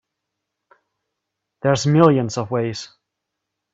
There's millions of ways.